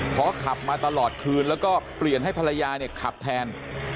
เพราะขับมาตลอดคืนแล้วก็เปลี่ยนให้ภรรยาเนี่ยขับแทน